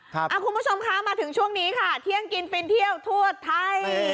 คุณผู้ชมคะมาถึงช่วงนี้ค่ะเที่ยงกินฟินเที่ยวทั่วไทย